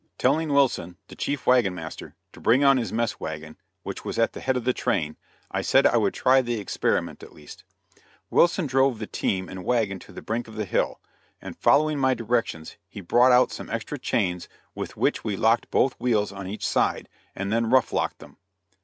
Telling Wilson, the chief wagon master, to bring on his mess wagon, which was at the head of the train, I said I would try the experiment at least. Wilson drove the team and wagon to the brink of the hill, and following my directions he brought out some extra chains with which we locked both wheels on each side, and then rough locked them.